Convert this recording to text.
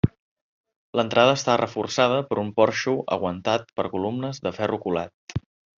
L'entrada està reforçada per un porxo aguantat per columnes de ferro colat.